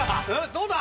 どうだ？